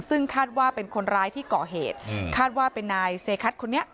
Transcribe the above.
ซึ่งคาดว่าเป็นคนร้ายที่ก่อเหตุคาดว่าเป็นนายเซคัทคนนี้